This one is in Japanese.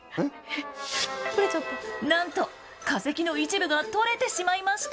なんと化石の一部が取れてしまいました。